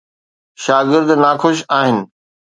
شاگرد ناخوش آهن.